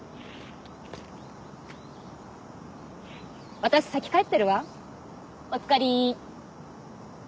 私先帰ってるわおつかり！